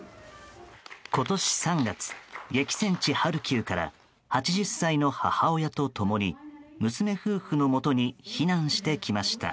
今年３月、激戦地ハルキウから８０歳の母親と共に娘夫婦のもとに避難してきました。